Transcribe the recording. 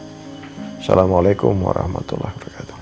assalamualaikum warahmatullahi wabarakatuh